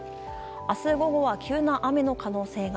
明日午後は急な雨の可能性が。